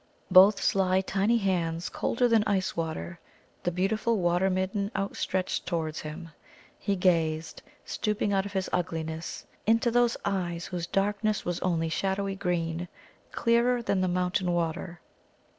Both sly tiny hands, colder than ice water, the beautiful Water midden outstretched towards him. He gazed, stooping out of his ugliness, into those eyes whose darkness was only shadowy green, clearer than the mountain water.